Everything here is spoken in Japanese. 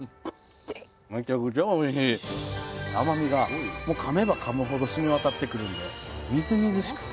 甘みがもうかめばかむほどしみわたってくるんで。